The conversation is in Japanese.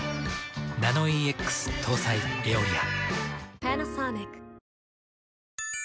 ナノイーＸ搭載「エオリア」。